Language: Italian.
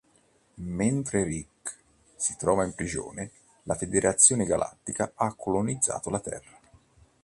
Mentre Rick si trova in prigione, la Federazione galattica ha colonizzato la Terra.